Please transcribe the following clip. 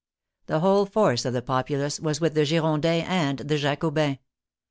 The whole force of the populace was with the Girondins and the Jacobins.